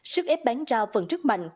sức ép bán ra phần trước mạnh